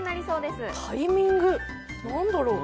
何だろう。